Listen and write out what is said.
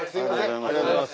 ありがとうございます。